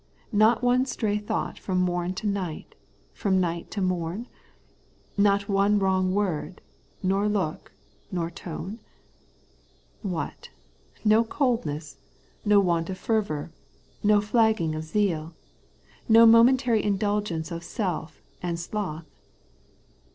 not one stray thought from mom to night, from night to morn ? Not one wrong word, nor look, nor tone ? What ! no coldness, no want of fervour, no flagging of zeal, no momentary indulgence of self and sloth